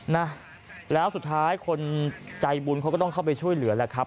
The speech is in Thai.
นะแล้วสุดท้ายคนใจบุญเขาก็ต้องเข้าไปช่วยเหลือแหละครับ